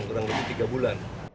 kurang lebih tiga bulan